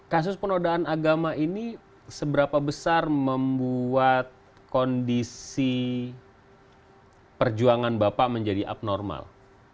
kasus penodaan agama ini seberapa besar membuat kondisi perjuangan bapak menjadi abnormal